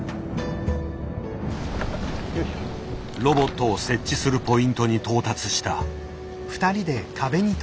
ロボットを設置するポイントに到達した。